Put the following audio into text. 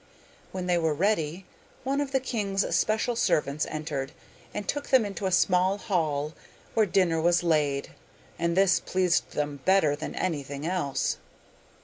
When they were ready, one of the king's special servants entered, and took them into a small hall, where dinner was laid, and this pleased them better than anything else.